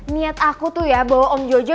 niat aku tuh ya bahwa om jojo